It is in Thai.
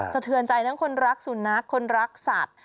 เทือนใจทั้งคนรักสุนัขคนรักสัตว์